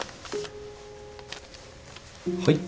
はい。